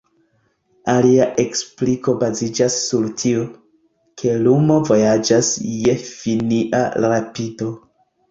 Alia ekspliko baziĝas sur tio, ke lumo vojaĝas je finia rapido.